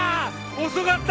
遅かった！］